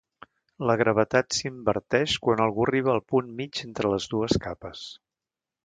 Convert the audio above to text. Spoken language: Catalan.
La gravetat s'inverteix quan algú arriba al punt mig entre les dues capes.